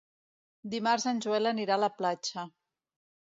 Dimarts en Joel anirà a la platja.